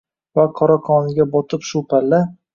Va qora qoniga botib shu palla